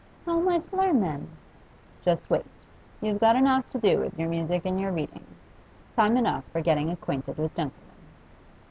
'How am I to learn, then?' 'Just wait. You've got enough to do with your music and your reading. Time enough for getting acquainted with gentlemen.